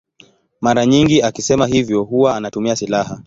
Mara nyingi akisema hivyo huwa anatumia silaha.